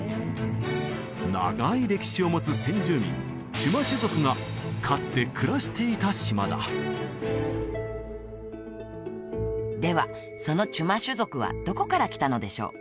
長い歴史を持つ先住民チュマシュ族がかつて暮らしていた島だではそのチュマシュ族はどこから来たのでしょう？